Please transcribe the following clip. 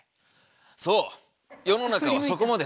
そう。